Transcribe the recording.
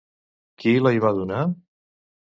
Qui la hi va donar?